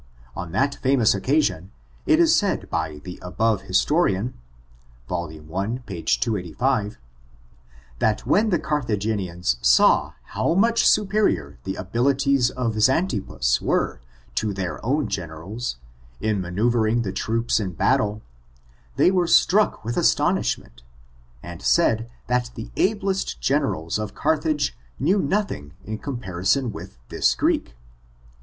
On that famous occasion, it is said by the above historian [voL i, pu 286], that when the Garthagenians saw how mncfa superior the abilities of Zantippus were to their own generals, in manceuvering the troops in battle, tbey were struck with astonishment, and said that the ablest generals of Carthage knew nothing in campB.r" ison with this Greek.